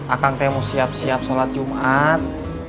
akang teh mau siap siap sholat jumat